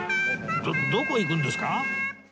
どどこ行くんですか？